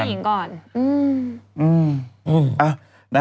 ช่วยมีอีกก่อน